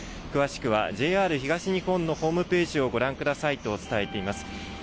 詳しくはＪＲ東日本のホームページをご覧くださいと伝えています。